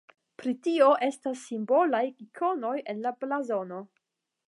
Pri tio estas simbolaj ikonoj en la blazono.